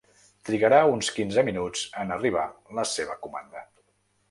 Trigarà uns quinze minuts en arribar la seva comanda.